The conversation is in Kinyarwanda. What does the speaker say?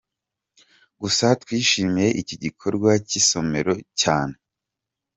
Gusa twishimiye iki gikorwa cy'isomero cyane.